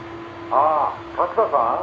「ああ角田さん？」